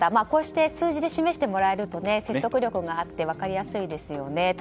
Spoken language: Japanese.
こうして数字で示してもらえると説得力があって分かりやすいですよね。